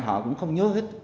họ cũng không nhớ hết